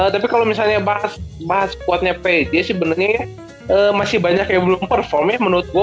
tapi kalo misalnya bahas squad nya pj sih benernya masih banyak yang belum perform nya menurut gue